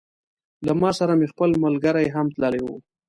له ما سره مې خپل ملګري هم تللي وه.